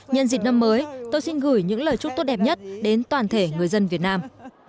nhân dịp năm mới tôi xin gửi những lời chúc tốt đẹp nhất đến toàn thể người dân việt nam